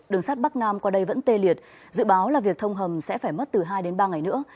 đường sắt bắc nam qua đây vẫn tê liệt dự báo là việc thông hầm sẽ phải mất từ hai đến ba ngày nữa